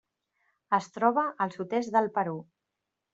Es troba al sud-est del Perú.